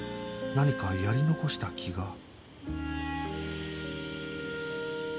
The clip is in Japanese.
何かやり残した気が